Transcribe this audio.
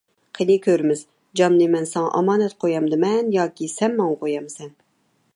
قېنى كۆرىمىز، جاننى مەن ساڭا ئامانەت قويامدىمەن ياكى سەن ماڭا قويامسەن!